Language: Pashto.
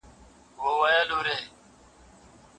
په پوهنتونونو کي دننه د څيړني کلتور باید لا ډېر پراخ سي.